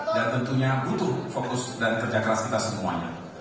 dan tentunya butuh fokus dan kerja keras kita semuanya